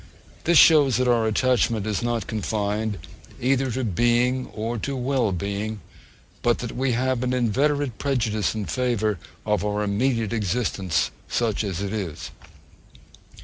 This shows that our attachment is not confined either to being or to well being; but that we have an inveterate prejudice in favour of our immediate existence, such as it is.